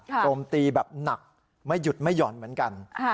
โจมตีแบบหนักไม่หยุดไม่หย่อนเหมือนกัน